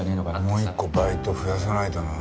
もう一個バイト増やさないとな。